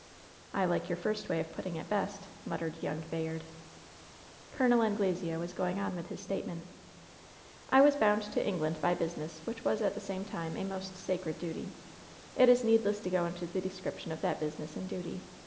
"I like your first way of putting it best," muttered yoimg Bayard, Col. Anglesea was going on with his statement: '^I was bound to England by business, which was at the same time a most sacred duty. It is needless to go into the description of that business and duty.